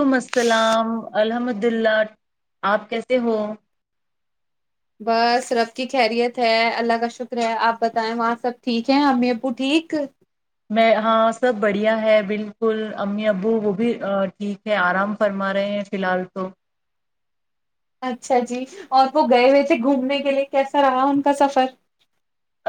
وعلیکم السلام الحمد اللہ آپ کیسے ہو بس رب کی خیریت ہے اللہ کا شکر ہے آپ بتائیں وہاں سب ٹھیک ہیں امی ابو ٹھیک میں ہاں سب بڑھیا ہے بالکل امی ابو وہ بھی ٹھیک ہے آرام فرما رہے ہیں فی الحال تو اچھا جی اور وہ گئے وی تھے گھومنے کے لیے کیسا رہا ان کا سفر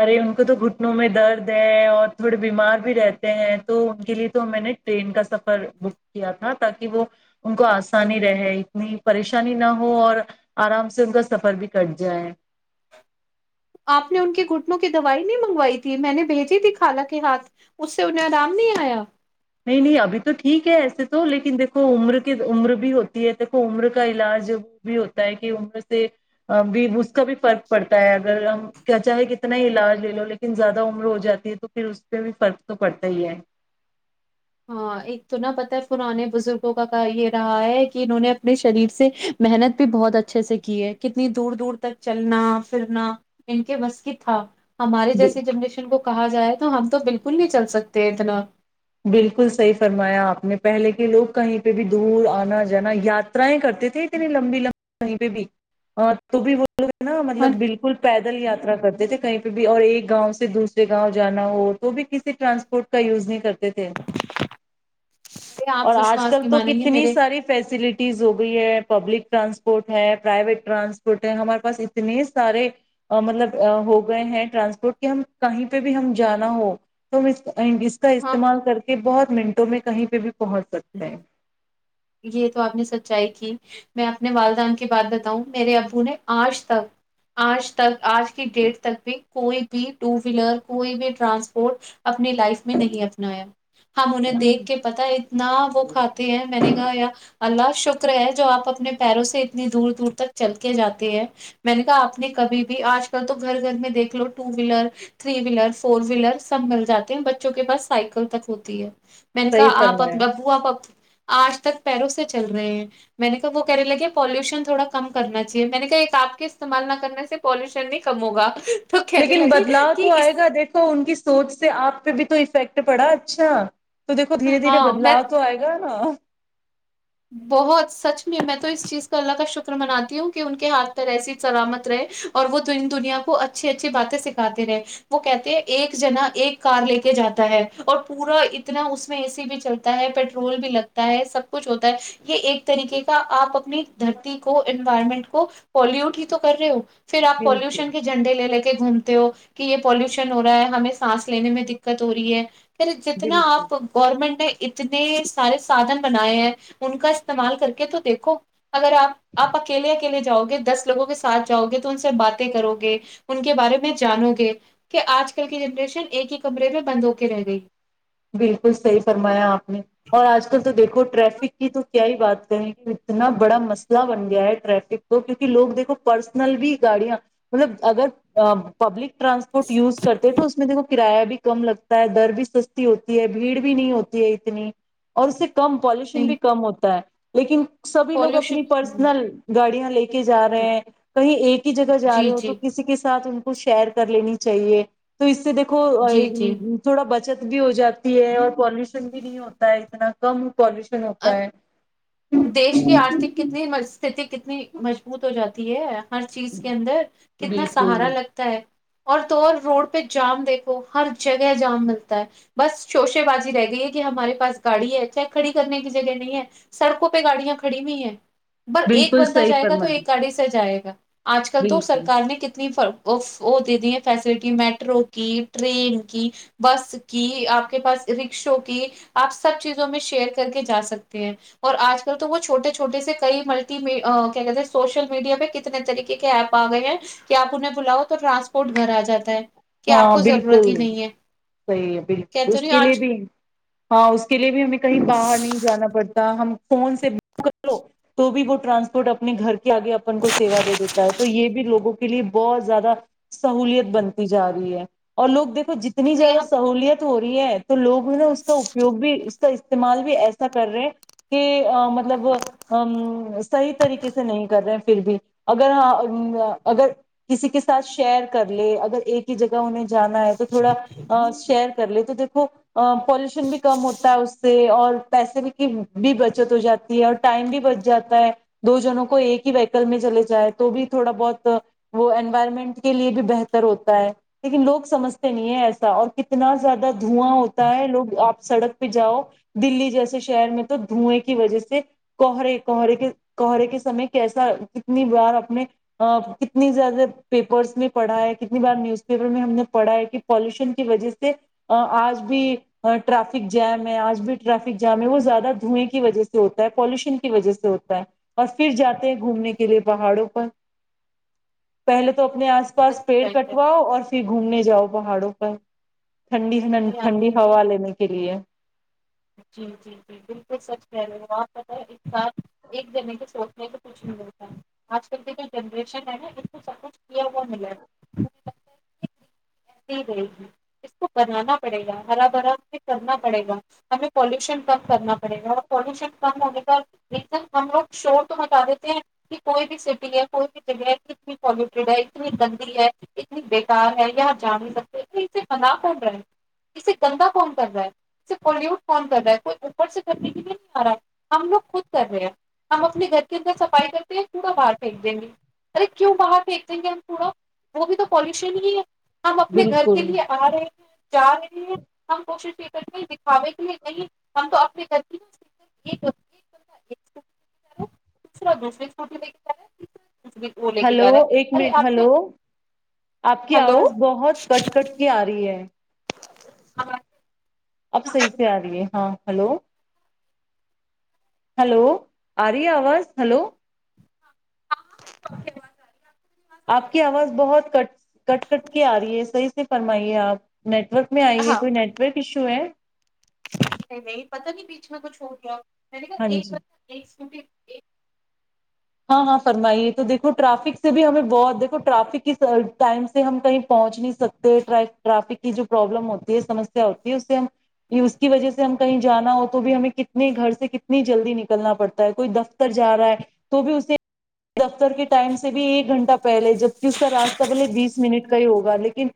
ارے ان کو تو گھٹنوں میں درد ہے اور تھوڑے بیمار بھی رہتے ہیں تو ان کے لیے تو میں نے ٹرین کا سفر بک کیا تھا تاکہ وہ ان کو آسانی رہے اتنی پریشانی نہ ہو اور آرام سے ان کا سفر بھی کٹ جائے آپ نے ان کے گھٹنوں کی دوائی نہیں منگوائی تھی میں نے بھیجی تھی خالہ کے ہاتھ اس سے انہیں آرام نہیں آیا نہیں نہیں ابھی تو ٹھیک ہے ایسے تو لیکن دیکھو عمر کی عمر بھی ہوتی ہے دیکھو عمر کا علاج وہ بھی ہوتا ہے کہ عمر سے بھی اس کا بھی فرق پڑتا ہے اگر ہم کیا چاہے کتنا ہی علاج لے لو لیکن زیادہ عمر ہو جاتی ہے تو پھر اس پہ بھی فرق تو پڑتا ہی ہے ہاں ایک تو نہ پتا ہے پرانے بزرگوں کا یہ رہا ہے کہ انہوں نے اپنے شریر سے محنت بھی بہت اچھے سے کی ہے کتنی دور دور تک چلنا پھرنا ان کے بس کی تھا ہمارے جی جیسی جنریشن کو کہا جائے تو ہم تو بالکل نہیں چل سکتے اتنا بالکل صحیح فرمایا آپ نے پہلے کے لوگ کہیں پہ بھی دور آنا جانا یاترائیں کرتے تھے اتنی لمبی لمبی کہیں پہ بھی تو بھی وہ نا ہے مطلب بالکل پیدل یا کرتے تھے کہیں پہ بھی اور ایک گاؤں سے دوسرے گاؤں جانا ہو تو بھی کسی ٹرانسپورٹ کا یوز نہیں کرتے تھے آپ اور آج وشواس کل نہیں تو مانیں گے کتنی میرے ساری فیسلٹی ہو گئی ہے پبلک ٹرانسپورٹ ہے پرائیویٹ ٹرانسپورٹ ہے ہمارے پاس اتنے سارے مطلب ہو گئے ہیں ٹرانسپورٹ کہ ہم کہیں پہ بھی ہم جانا ہو تو ہم اس کا ہاں استعمال کر کہ بہت منٹوں میں کہیں پہ بھی پہنچ سکتا ہیں یہ تو آپ نے سچائی کی میں اپنے والدان کی بات بتاؤں میرے ابو نے آج تک آج تک آج کی ڈیٹ تک بھی کوئی بھی ٹو ویلر کوئی بھی ٹرانسپورٹ اپنی لائف میں نہیں اپنایا ہم انہیں دیکھ کے پتا اتنا وہ کھاتے ہیں میں نے کہا یا اللہ شکر ہے جو آپ اپنے پیروں سے اتنی دور دور تک چل کے جاتے ہیں میں نے کہا آپ نے کبھی بھی آج کل تو گھر گھر میں دیکھ لو two wheeler three wheeler four wheeler سب مل جاتے ہیں بچوں کے پاس سائیکل تک ہوتی ہے میں نے صحیح کہا آپ فرمایا ببو آپب آج تک پیروں سے چل رہے ہیں میں نے کہا وہ کہنے لگے پالوشن تھوڑا کم کرنا چاہیے میں نے کہا ایک آپ کے استعمال نہ کرنے سے پالوشن نہیں کم ہوگا تو کہنے لیکن لگے بدلاؤ تو کہ اس آئے گا دیکھو ان کی سوچ سے آپ پہ بھی تو اس فیکٹ پڑا اچھا تو دیکو دھیرے دھیرے ہاں میں بدلاؤ تو آئے گا نا بہت سچ میں میں تو اس چیز کو اللہ کا شکر مناتی ہوں کہ ان کے ہاتھ پ ایسی سلامت رہے اور وہ دنیا کو اچھی اچھی باتیں سکھاتے رہے وہ کہتے ہیں ایک جنا ایک کار لے کے جاتا ہے اور پورا اتنا اس میں اے سی بھی چلتا ہے پیٹرول بھی لگتا ہے سب کچھ ہوتا یہ ایک طریقے کا آپ اپنی دھرتی کو انوائرمنٹ کو پالوٹ ہی تو کر رہے ہو پھر آ پالیوشن بالکل کے جھنے لگے گھومتے ہو کہ یہ پالوشن ہو رہا ہے ہمیں سانس لینے میں دقت ہو رہی ہے پھر جتنا بالکل آپ گورنمنٹ ہے ج نے سارے سادھن بنائے ہیں ان کا استعمال کر کے تو دیکھو اگر آپ آپ اکیلے اکیلے جاؤ گے دس لوگوں کے ساتھ جاؤ گے تو ان سے باتیں کرو گے ان کے بارے میں جانو گے کہ آج کل کی جنریشن ایک ہی کمرے میں بند ہو کے رہ گئی بالکل صحیح فرمایا آپ نے اور آج کل تو دیکھو ٹریفک کی تو کیا ہی بات کریں اتنا بڑا مسئلہ بن گیا ہے ٹریفک کو کیونکہ لوگ دیکھو پرسنل بھی گاڑیاں مطلب اگر پبلک ٹرانسپورٹ یز کرتے تو اس میں دیکو کرایہ بھی کم لگتا ہے در بھی سستا ہوتی ہے بھیڑ بھی نہیں ہوتی ہے اتنی اور اس سے کم پالوشن نہیں بھی کم ہوتا ہے لیکن سبھی لوگ اپنی پالوشن پرسنل گاڑیاں لے کے جا رہے ہیں کہیں ایک ہی جگہ جا جی رہے ہو تو جی کسی کے سھ ان کو شیئر کر لینی چاہیے تو اس سے دیکھو جی جی تھوڑا ب بھی ہو جاتی ہے اور پالوشن بھی نہیں ہوتا ہے اتنا کم پالوشن ہوتا ہے دیش کی آرتھک کتنی است کتنی مضبوط ہو جاتی دیے ہر چیز کے اندر کتنا بالکل سہارا لگتا ہے اور تو اور روڈ پہ جام دیکھو ہر جگہ جام ملتا ہے بس شوشے بازی رہ گئی ہے کہ ہمارے پاس گاڑی ہے چاہے کھڑی کرنے کی جگہ نہیں ہے سڑکوں پہ گاڑیاں کھڑی ہوئی ہیں ب ایک بالکل بندہ صحیح جائے گا تو فرمایا ایک گاڑی سے جائے گا ہ [unintelligible] آج کل تو بالکل سرکار نے کتنی فروخ ہو دیتی ہیں فیسلٹی میٹرو کی ٹرین کی بس کی آپ کے پاس رکشوں کی آپ سب چیزوں میں شیئر کر کے جا سکتے ہیں اور آج کل تو وہ چھوٹے چھوٹے سے کئی ملٹی کیا کہتے سوشل میڈیا پہ کتنے طریقے کے ایپ آ گئے ہیں کہ آپ انہیں بلاؤ تو ٹرانسپورٹ گھر آ جاتا ہے کہ آپ ہاں کو ضرورت بالکل ہی نہیں ہے صحیح ہے بالکل کہتے اس نہیں کے لیے آج بھی ہاں اس کے لیے بھی ہمیں کہیں ب باہر نہیں جانا پڑتا ہم فون سے بک کر لو تو بھی وہ ٹرانسپورٹ اپنے گھر کے آگے اپن کو سیوا دے دیتا ہے تو یہ بھی لوگوں کے لیے بہت زیادہ سہولت بن ج رہی ہے اور لگ دیک جتنی نہیں زیادہ سہوولت ہو رہی ہے تو لوگ م اس کا اپیوگ بھی کا استعمال بھی ایسا کر رہے کہ مطلب صحیح طریقے سے نہیں کر رہے پھر بھی اگر اگر کسی کے ساتھ شیئر کر لے اگر ایک ہی جگہ انہیں جانا ہے تو تھوڑا شہر کر لے تو دیکھو پالوشن بھی کم ہوتا ہے اس سے اور پیسے کی بھی بچت ہو جاتی ہے اور ٹائم بھی بچ جاتا ہے دو جنوں کو ایک ہی ویکل میں چلے جائے تو بھی تھوڑا بہت وہ انوائرمنٹ کے لیے بھی بہتر ہو لیکن لوگ سمجھتے نہیں ہے ایسا اور کتنا زیادہ دھواں ہوتا ہے لوگ آپ سڑک پہ جاؤ دلی جیسے شہر میں تو دھوئیں کی وجہ سے کوہرے کوہرے کے کوہرے کے سمے کیسا کتنی بار اپنے کتنی زیادہ پیپرس میں پڑھا ہے اپنی بار نیوز پیپر میں ہم نے پڑھا ہے کہ پالوشن کی وجہ سے آج بھی ٹرافک جم ہے آج بھی ٹرافک جام ہے وہ زیادہ دھوئیں کی وجہ سے ہوتا ہے پالوشن کی وجہ سے ہوتا ہے اور پھر جاتے ہیں گھومنے کے لیے پہاڑوں پر پہلے تو اپنے آس پاس پیڑ کٹواؤ اور پھر گھومنے جاؤ پہاڑوں پر ٹھنڈی ٹھنڈی ہم ہوا لینے کے لیے جی جی جی بالکل سچ کہہ رہے آپت ایک سار ایک جنے کے سوچنے تو کچھ نہیں ملتا ہے آج کل کے جو جنریشن ہے نا اس کو سب کچھ کیا ہوا ملاھےگتا ہے کہسے ہی رہے گی اس کو بنانا پڑے گا ہرا بھرا اس کرنا پڑے گا میں نے پانڈیشن بند کرنا پڑے گا اور پارلیمنٹ کم ہونے کا شو تو ہٹا دیتے ہیں اتنی گندی ہے اتنی بے کار ہے یا جاگ نہیں سکتے کسی کلمہ کون کرتا ہے صرف پولیو ہم لوگ خود کر رہے ہیں ہم اپنے گھر کے اندر صفائی کرتے ہیں پورا پار پھینک دیں گے ارے کیوں باہر پھینک دیں گے ہم پورا وہ بھی تو پالیسی بھی نہیں ہے ہم اپنے گھر بالکل کے لیے ا رہے ہیں جا رہے ہیں ہم ب بالکل دکھا بھی کے لیے [unintelligible] وہ لے کے ہیلو جا رہا ایک ہے ارے منٹ آپ نے ہیلو اپ کی ہلو اواز بہت کٹ کٹ کی ارہی ہے [unintelligible] اب صحیح سے ا رہی ہے ہاں ہیلو ہیلو ارہی ہے اواز ہیلو اپ کی اواز بہت کٹ کرتی ا رہی ہے صحیح سے فرمائیے اپ ٹرک میں ائی ہے ہاں کوئی نیٹ ورک ایشو ہے نہیں پتہ نہیں بیچ میں کچھ ہو گیا میں نے کہا ہاں جی ایک [unintelligible] ہاں ہاں فرمائیے تو دیکھو ٹریفک سے بھی ہمیں بہت دیکھو ٹرافک کی ٹائم سے ہم کہیں پہنچ نہیں سکتے ٹریفک کی جو پرابلم ہوتی ہے سمجھتے ہوتے ہیں اس سے ہم یہ اس کی وجہ سے ہم کہیں جانا ہو تو بھی ہمیں کتنے گھر سے کتنی جلدی نکلنا پڑتا ہے کوئی دفتر جا رہا ہے دفتر کے ٹائم سے بھی ایک گھنٹہ پہلے اس کا راستہ بلےبیس منٹ کا ہی ہوگا لیکن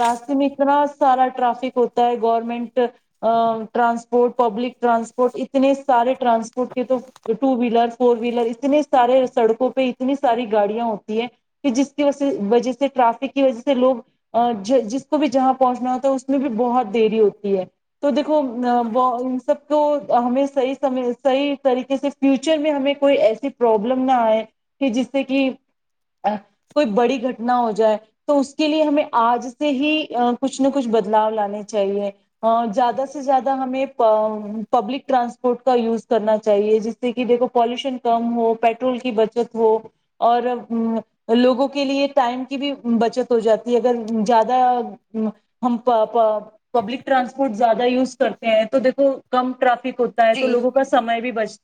راستے میں اتنا سارا ٹریفک ہوتا ہے گورنمنٹ ٹرانسپورٹ پبلک ٹرانسپورٹ اتنی سارے ٹرانسپورٹ کے تو ٹو ویلر فور ویلر اتنے سارے سڑکوں پہ اتنی ساری گاڑیاں ہوتی ہیں کہ جس کی وجہ سے وجہ سے ٹریفک کی وجہ سے لوگ جس کو بھی جہاں پہنچنا تھا اس میں بھی بہت دیری ہوتی ہے تو ان سب کو تو ہمیں صحیح صحیح طریقے سے فیوچر میں ہمیں کوئی ایسی پرابلم نہ ائے کہ جس سے کہ کوئی بڑی گھٹنا ہو جائے تو اس کے لیے ہمیں اج سے ہی کچھ نہ کچھ بدلاؤ لانے چاہیے اور زیادہ سے زیادہ ہمیں پبلک ٹرانسپورٹ کا یوز کرنا چاہیے جس طریقے کو پالیشن کم ہو پیٹرول کی بچت ہو اور لوگوں کے لیے ٹائم کی بھی بچت ہو جاتی ہے اگر زیادہ پبلک ٹرانسپورٹ زیادہ یوز کرتے ہیں تو دیکھو کم ٹرافی ہوتا ہے تو جی لوگوں کا سامنا بھی بچ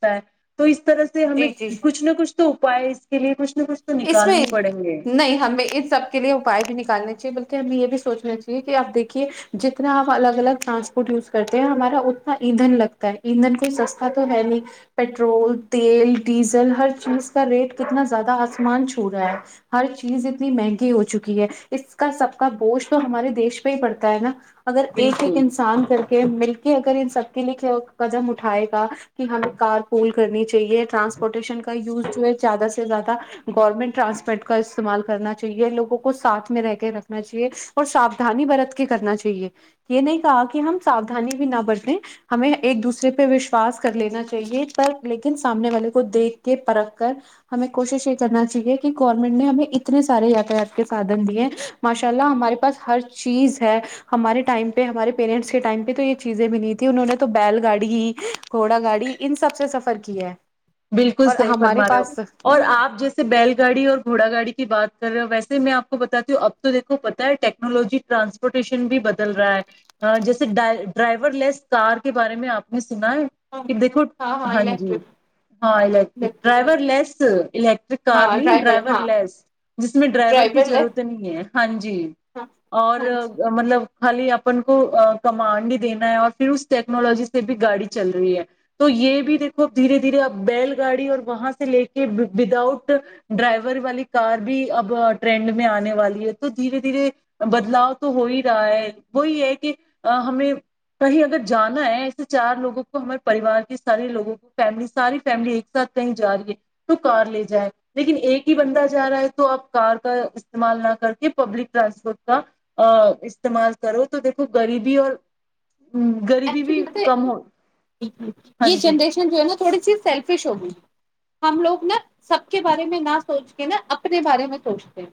تو اس سے ہمیں جی جی کچھ نہ کچھ تو بھائی اس کے لیے کچھ نہ کچھ تو اس نکالنے لیے ہی پڑیں گے نہیں ہمیں ان سب کے لیے پائے بھی نکالنے چاہیے کہ ہم یہ بھی سوچنا چاہیے کہ اپ دیکھیے جتنا اپ الگ الگ ٹرانسپورٹ یوز کرتے ہیں ہمارا اتنا ایندھن لگتا ہے ایندھن کوئی سستا تو ہے نہیں پیٹرول تیل ڈیزل ہر چیز کا ریٹ کتنا زیادہ مان چھو رہا ہے ہر چیز اتنی مہنگی ہو چکی ہے اس کا سب کا گوشت تو ہمارے دیش پہ ہی پڑتا ہے نا اگر ایک ایک بالکل انسان کر کہ مل کے اگر ان سب کے لکھ لو قدم اٹھائے گا کہ کارپول کرنی چاہیے ٹرانسپورٹیشن کا یوزڈ ہے زیادہ سے زیادہ گورنمنٹ ٹرانسپیرنٹ کا استعمال کرنا چاہیے لوگوں کو ساتھ میں رہ کے رکھنا چاہیے اور سابدانی برت کے کرنا چاہیے یہ نہیں کہا کہ ہم ساودانی بھی نہ برسیں ہمیں ایک دوسرے پہ وشواس کر لینا چاہیے پر لیکن سامنے والے کو دیکھ کے پر رکھ کر ہمیں کوشش کرنا چاہیے کہ گورنمنٹ نے ہمیں اتنے سارے یاتراف کے ساتھ دیے ہیں ماشاءاللہ ہمارے پاس ہر چیز ہے ہمارے ٹائم پہ ہمارے پیرنٹس کے ٹائم پہ تو یہ چیزیں بھی نہیں تھی انہوں نے تو بیل گاڑی ہی کوڑا گاڑی ان سب سے سفر کیا ہے بالکل اور صحیح ہمارے فرما رہے ہو پاس اور اپ جس بیل گاڑی اور گھوڑا گاڑی کی بات کر رہا ہوں ویسے میں اپ کو بتاتی ہوں اب تو دیکھو پتہ ہے ٹیکنالوجی ٹرانسپورٹیشن بھی بدل رہا ہے جیسے ڈرائیور لیس تار کے بارے میں اپ نے سنا ہے ہاں کہ دیکھو ہاں جی ہاں الیکٹرک بالکل ڈرائیور لیس الیکٹرک کار ہاں نہیں ڈرائیور ہاں لیس جس میں ڈرائیور کی ضرورت نہیں ہے ہاں جی ہاں اور ہاں جی مطلب خالی اپن کو کمانڈ دینا ہے اور پھر اس ٹیکنالوجی سے بھی گاڑی چل رہی ہے تو یہ بھی دیکھو اب دھیرے دھیرے اب بیل گاڑی اور وہاں سے لے کے ودؤٹ ڈرائیور والی کار بھی اب ٹرینڈ میں آنے والی ہے تو دھیرے دھیرے بدلاؤ تو ہو ہی رہا ہے وہی ہے کہ ہمیں کہیں اگر جانا ہے ایسے چار لوگوں کو ہمارے پریوار کے سارے لوگوں کو فیملی ساری فیملی ایک ساتھ کہیں جا رہی ہے تو کار لے جائے لیکن ایک ہی بندہ جا رہا ہے تو آپ کار کا استعمال نہ کر کے پبلک ٹرانسپورٹ کا استعمال کرو تو دیکھو غریبی اور غریبی بھی کم ہو ایکچولی ہاں یہ جی جنریشن جو ہے نا تھوڑی سی سیلف فش ہوگئی ہم لوگ نا سب کے بارے میں نہ سوچ کے نا اپنے بارے میں سوچتے ہیں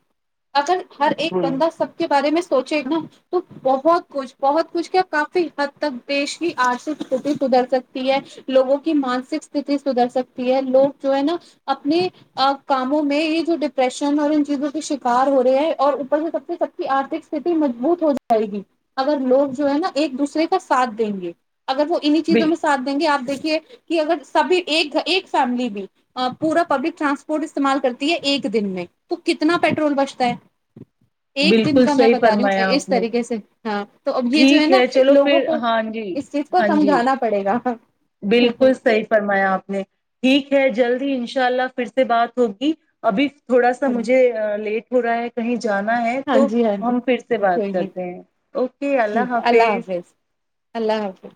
اگر ہر ایک بالکل بندہ سب کے بارے میں سوچے ایک ن تو بہت کچھ بہت کچھ کیا کافی حد تک دیش کی آرتھک ستتی سدھر سکتی ہے لوگوں کی مانسک ستتی سدھر سکتی ہے لوگ جو ہے نا اپنے کاموں میں یہ جو ڈپریشن اور ان چیزوں کے شکار ہو رہے ہیں اور اوپر سے سب سے سکتی آرتک ستتی مضبوط ہو جائے گی اگر لوگ جو ہے نا ایک دوسرے کے کا ساتھ دیں گے اگر وہ انیں چیزوں بال میں سات دیں گے آپ دیک کہ اگر سبھی ایک ایک فیملی بھی پورا پبلک ٹرانسپورٹ استعمال کرتی ہے ایک دن میں تو کتنا پیٹرول بچتا ہے ایک دن بالکل کا میں صحیح بتا رہی ہوں فرمایا اس آپ نے طریقے سے ہاں تو اب یہ جو ہے ٹھیک نا چلو لوگوں پھر کو ہاں جی اس چیز کو ہاں جی سمجھانا پڑے گا ہاں جی بالکل صحیح فرمایا آپ نے ٹھیک ہے جلدی اناء ان شاء اللہ پھر سے بات ہوگی ابھی تھوڑا سا مجھے لیٹ ہو رہا ہے کہیں جانا ہے ہاں تو جی ہاں ہم پھر سے جی بات کوئی نہیں کرتے ہیں اوکے ٹھیک ہے اللہ حافظ اللہ حافظ